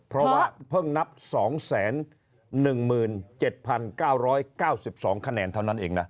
เพราะว่าเพิ่งนับ๒๑๗๙๙๒คะแนนเท่านั้นเองนะ